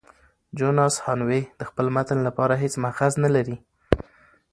جوناس هانوې د خپل متن لپاره هیڅ مأخذ نه لري.